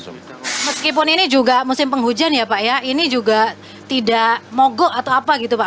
meskipun ini juga musim penghujan ya pak ya ini juga tidak mogok atau apa gitu pak